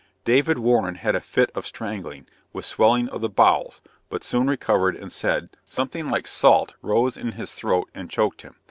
David Warren had a fit of strangling, with swelling of the bowels; but soon recovered, and said, "something like salt rose in his throat and choked him."